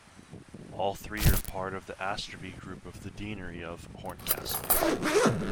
All three are part of the Asterby group of the Deanery of "Horncastle".